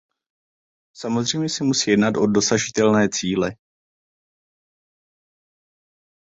Samozřejmě se musí jednat o dosažitelné cíle.